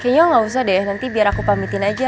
kayaknya nggak usah deh nanti biar aku pamitin aja